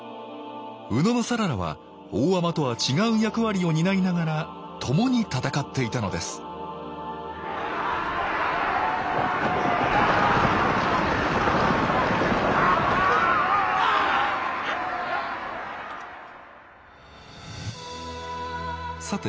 野讃良は大海人とは違う役割を担いながら共に戦っていたのですさて